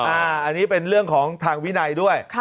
อันนี้เป็นเรื่องของทางวินัยด้วย